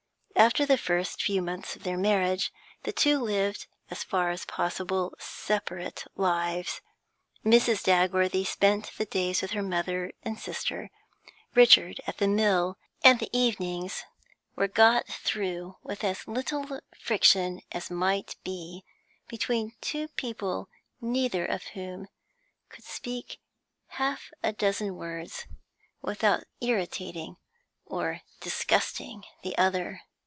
After the first few months of their marriage, the two lived, as far as possible, separate lives; Mrs. Dagworthy spent the days with her mother and sister, Richard at the mill, and the evenings were got through with as little friction as might be between two people neither of whom could speak half a dozen words without irritating or disgusting the other.